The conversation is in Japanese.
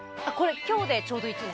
今日でちょうど１年。